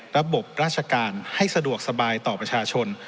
ระบบราชการให้สะดวกสบายต่อประชาชน